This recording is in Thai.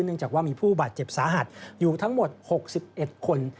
จากว่ามีผู้บาดเจ็บสาหัสอยู่ทั้งหมด๖๑คน